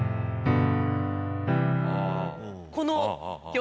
この。